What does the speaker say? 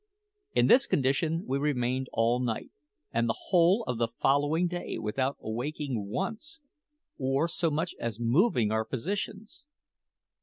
In this condition we remained all night and the whole of the following day without awaking once, or so much as moving our positions.